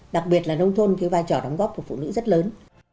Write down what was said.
đặc biệt là nông thôn cái vai trò đóng góp của phụ nữ rất lớn